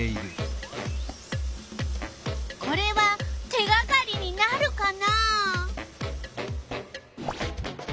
これは手がかりになるかな？